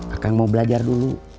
akang mau belajar dulu